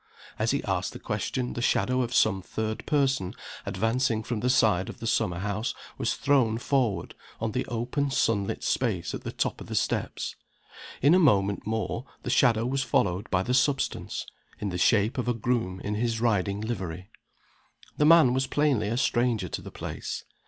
As he asked the question the shadow of some third person, advancing from the side of the summer house, was thrown forward on the open sunlit space at the top of the steps. In a moment more the shadow was followed by the substance in the shape of a groom in his riding livery. The man was plainly a stranger to the place.